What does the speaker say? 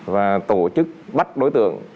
và tổ chức bắt đối tượng